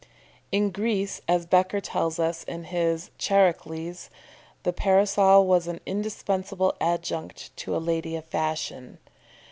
In Greece, as Becker tells us in his "Charicles," the Parasol was an indispensable adjunct to a lady of fashion.